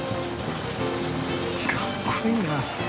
かっこいいな。